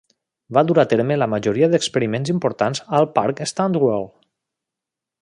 Va dur a terme la majoria d'experiments importants al parc Stanwell.